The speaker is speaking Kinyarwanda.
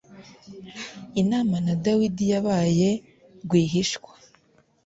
inama na Dawidi yabaye rwihishwa.